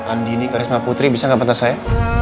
andi ini karisma putri bisa nggak pentas saya